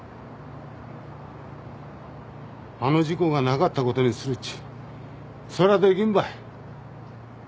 あの事故がなかったことにするっちそらできんばい。